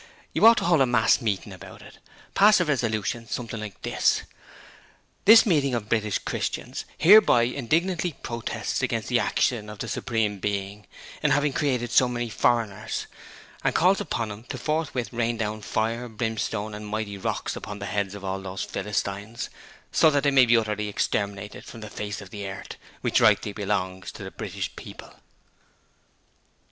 You ought to hold a mass meeting about it: pass a resolution something like this: "This meeting of British Christians hereby indignantly protests against the action of the Supreme Being in having created so many foreigners, and calls upon him to forthwith rain down fire, brimstone and mighty rocks upon the heads of all those Philistines, so that they may be utterly exterminated from the face of the earth, which rightly belongs to the British people".'